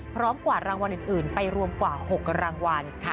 พร้อมกับรางวัลอื่นไปรวมกว่า๖รางวัลค่ะ